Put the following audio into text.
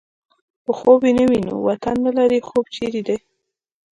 په خوب يې نه وینو وطن نه لرې خوب چېرې دی